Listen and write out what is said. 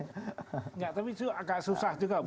enggak tapi juga agak susah juga